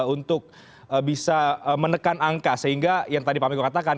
untuk bisa menekan angka sehingga yang tadi pak miko katakan